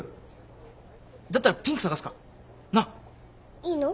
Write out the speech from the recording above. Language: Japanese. いいの？